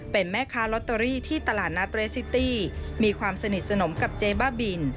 เป็นแม่ค้าลอตเตอรี่ที่ตลาดนัดเรสซิตี้มีความสนิทสนมกับเจ๊บ้าบิน